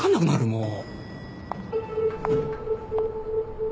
もう。